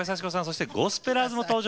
そしてゴスペラーズも登場。